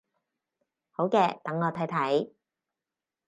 好嘅，等我睇睇